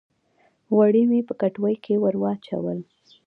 غوړي مې په کټوۍ کښې ور واچول